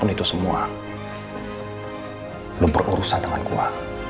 itu semua lu berurusan dengan gua